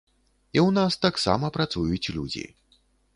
І ў нас таксама працуюць людзі.